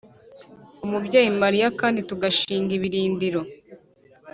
umubyeyi mariya, kandi tugashinga ibirindiro